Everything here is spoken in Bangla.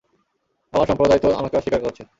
আমার সম্প্রদায় তো আমাকে অস্বীকার করছে।